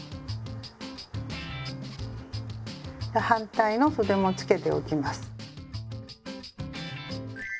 反対のそでもつけておきます。